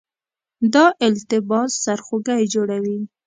دا التباس سرخوږی جوړوي.